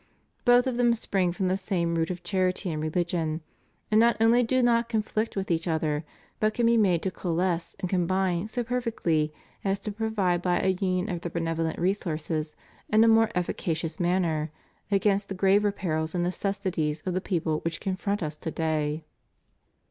Both of them spring from the same root of charity and religion, and not only do not conflict with each other, but can be made to coalesce and combine so perfectly as to provide by a union of their benevolent resources in a more effica cious manner against the graver perils and necessities of the people which confront us to day.